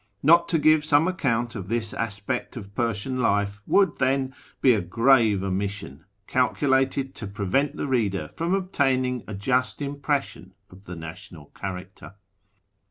Not to give some account of this aspect of Persian life would, then, be a grave omission, calculated to prevent the reader from obtaining a just impression of the national character.